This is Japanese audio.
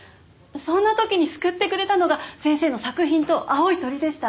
そんな時に救ってくれたのが先生の作品と青い鳥でした。